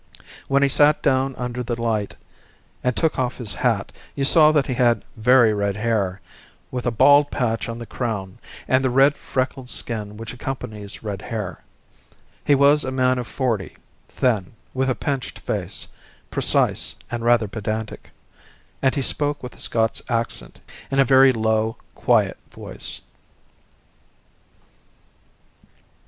When he sat down under the light and took off his hat you saw that he had very red hair, with a bald patch on the crown, and the red, freckled skin which accompanies red hair; he was a man of forty, thin, with a pinched face, precise and rather pedantic; and he spoke with a Scots accent in a very low, quiet voice.